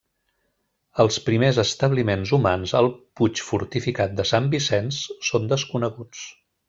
Els primers establiments humans al puig fortificat de Sant Vicenç són desconeguts.